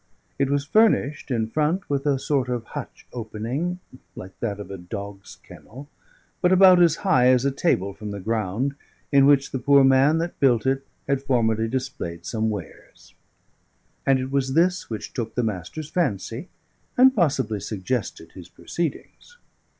It was furnished in front with a sort of hutch opening, like that of a dog's kennel, but about as high as a table from the ground, in which the poor man that built it had formerly displayed some wares; and it was this which took the Master's fancy, and possibly suggested his proceedings.